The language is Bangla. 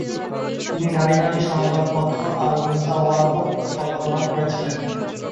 তিনি নারীবাদী সংবাদপত্র "আল-মুসাওয়াতও" সম্পাদনা করেছিলেন।